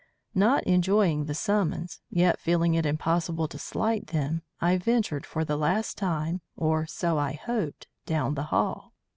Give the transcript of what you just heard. Not enjoying the summons, yet feeling it impossible to slight them, I ventured, for the last time, or so I hoped, down the hall.